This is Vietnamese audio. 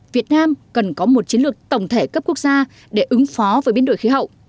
việt nam cần có một chiến lược tổng thể cấp quốc gia để ứng phó với biến đổi khí hậu